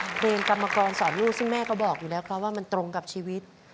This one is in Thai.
เพลงกรรมกรสอนลูกซึ่งแม่ก็บอกอยู่แล้วครับว่ามันตรงกับชีวิต